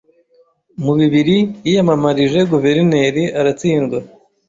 Mu bibiri yiyamamarije guverineri, aratsindwa.